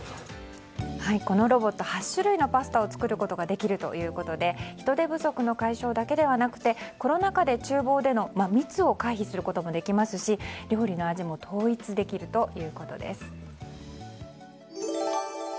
このロボット８種類のパスタを作ることができるということで人手不足の解消だけでなくてコロナ禍で厨房の密を回避することもできますし料理の味も統一できるということです。